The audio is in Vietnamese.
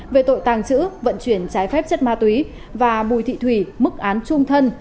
về tội tàng trữ vận chuyển trái phép chất ma túy và bùi thị thủy mức án trung thân